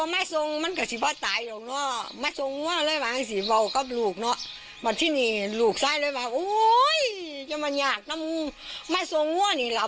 มันบ่เคยตีมันนะเทียอ่ายังสีน่า